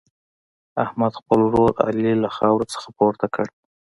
احمد، خپل ورور علي له خاورو څخه پورته کړ.